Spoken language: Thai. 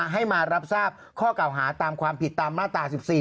ให้มารับทราบข้อเก่าหาตามความผิดตามมาตรา๑๔